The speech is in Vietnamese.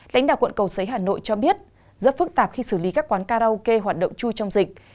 lãnh đạo quận cầu giấy hà nội cho biết rất phức tạp khi xử lý các quán karaoke hoạt động chui trong dịch